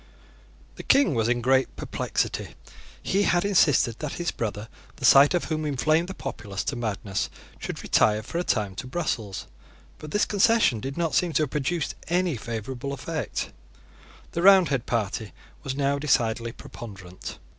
The King was in great perplexity. He had insisted that his brother, the sight of whom inflamed the populace to madness, should retire for a time to Brussels: but this concession did not seem to have produced any favourable effect. The Roundhead party was now decidedly preponderant.